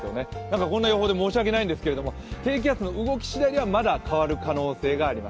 こんな予報で申し訳ないんですけれども低気圧の動きしだいではまだ変わる可能性があります。